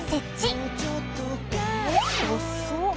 えっ遅っ。